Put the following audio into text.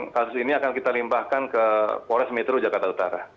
kasus ini akan kita limbahkan ke polres metro jakarta utara